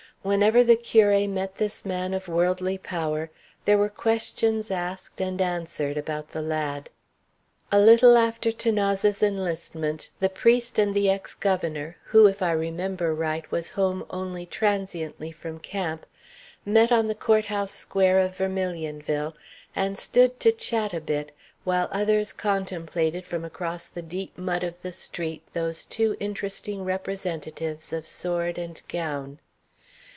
Whenever the curé met this man of worldly power, there were questions asked and answered about the lad. A little after 'Thanase's enlistment the priest and the ex governor, who, if I remember right, was home only transiently from camp, met on the court house square of Vermilionville, and stood to chat a bit, while others contemplated from across the deep mud of the street these two interesting representatives of sword and gown.